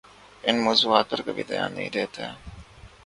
ان موضوعات پر کبھی دھیان نہیں دیتے؟